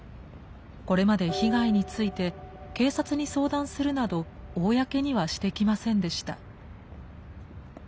これまで被害について警察に相談するなど公にはしてきませんでした。